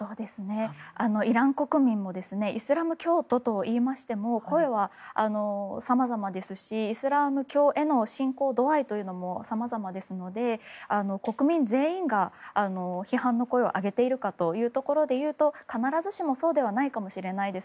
イラン国民もイスラム教徒といいましても声は様々ですし、イスラム教への信仰度合いというのも様々ですので国民全員が批判の声を上げているかというところでいうと必ずしもそうではないかもしれないです。